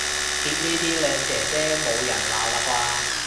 貼呢啲靚姐姐冇人鬧喇啩